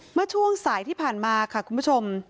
เมื่อช่วงสายที่ผ่านมาค่ะคุณผู้ชม